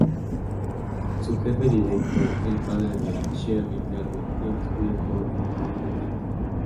Su jefe directo, el padre de Sherri y Terri, lo despide por incompetente.